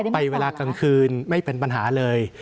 เวลากลางคืนไม่เป็นปัญหาเลย